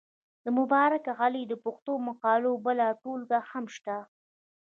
د مبارک علي د پښتو مقالو بله ټولګه هم شته.